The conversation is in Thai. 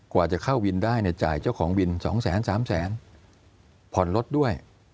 กว่าจะเข้าวินได้จ่ายเจ้าของวิน๒๓แสนผ่อนรถด้วย